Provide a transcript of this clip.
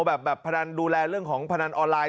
แบบพนันดูแลเรื่องของพนันออนไลน